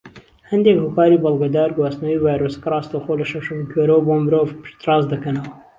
هەندێک هۆکاری بەڵگەدار گواستنەوەی ڤایرۆسەکە ڕاستەوخۆ لە شەمشەمەکوێرەوە بۆ مرۆڤ پشت ڕاست دەکەنەوە.